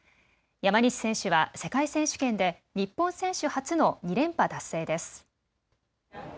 山西選手は世界選手権で日本選手初の２連覇達成です。